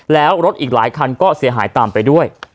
แล้วรถอีกหลายคันก็เสียหายตามไปด้วย